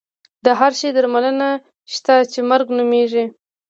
د هر شي درملنه شته چې مرګ نومېږي.